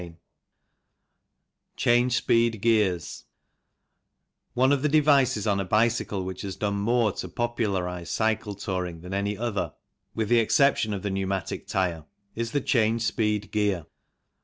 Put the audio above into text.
CHAPTER VIII CHANGE SPEED GEARS ONE of the devices on a bicycle which has done more to popularize cycle touring than any other, with the exception of the pneumatic tyre, is the change speed gear.